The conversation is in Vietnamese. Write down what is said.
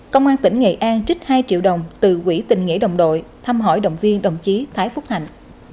công an tỉnh nghệ an trích hai triệu đồng từ quỹ tình nghĩa đồng đội thăm hỏi động viên đồng chí thái phúc hạnh